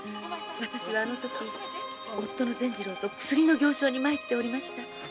私はあの時夫の善次郎と薬の行商に参っておりました。